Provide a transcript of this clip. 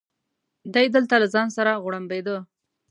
دی دلته له ځان سره غوړمبېده.